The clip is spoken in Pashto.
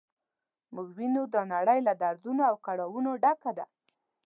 موږ وینو دا نړۍ له دردونو او کړاوونو ډکه ده.